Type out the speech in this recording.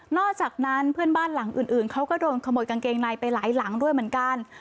อกจากนั้นเพื่อนบ้านหลังอื่นเขาก็โดนขโมยกางเกงในไปหลายหลังด้วยเหมือนกัน